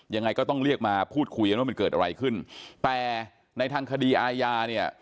ยังไงก็ต้องเรียกมาพูดคุยกันว่ามันเกิดอะไรขึ้นแต่ในทางคดีอาญาเนี่ย